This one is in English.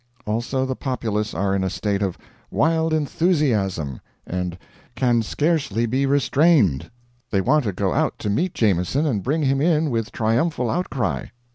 Also the populace are in a state of "wild enthusiasm," and "can scarcely be restrained; they want to go out to meet Jameson and bring him in with triumphal outcry."